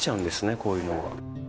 こういうのが。